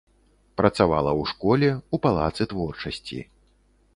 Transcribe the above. Працавала ў школе, у палацы творчасці.